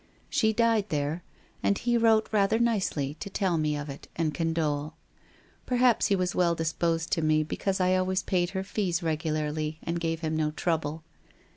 She died there, and he wrote rather nicely to tell me of it and condole. Perhaps he was well disposed to me because I always paid her fees reg ularly, and gave him no trouble.